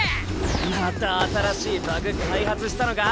また新しいバグ開発したのか？